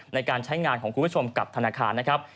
ในการใช้งานของคุณผู้ชมกับธนาคารนะครับ